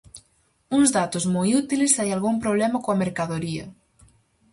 Uns datos moi útiles se hai algún problema coa mercadoría.